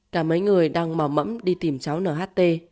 cả mấy người đang mò mẫm đi tìm cháu nht